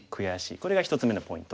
これが１つ目のポイント。